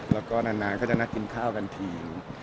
แล้วก็นานก็จะนัดกินข้าวกันทีนึง